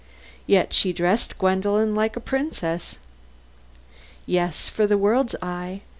"Yet she dressed Gwendolen like a princess." "Yes, for the world's eye.